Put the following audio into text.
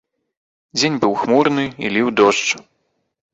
Дзень быў хмурны, і ліў дождж.